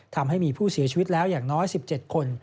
ทำให้มีผู้เสียชีวิตแล้วอย่างน้อย๑๗คน